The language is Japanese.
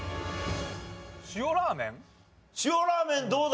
塩ラーメンどうだ？